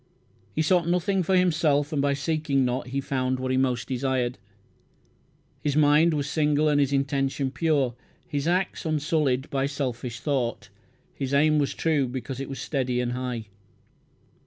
He sought nothing for himself and by seeking not he found what he most desired. His mind was single and his intention pure; his acts unsullied by selfish thought; his aim was true because it was steady and high.